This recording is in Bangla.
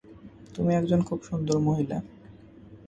তুমি একজন খুব সুন্দরী মহিলা।